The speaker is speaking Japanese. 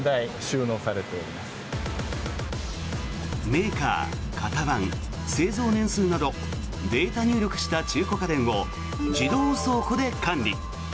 メーカー、型番、製造年数などデータ入力した中古家電を自動倉庫で管理。